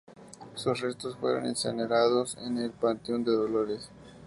Sus restos fueron incinerados en el Panteón de Dolores.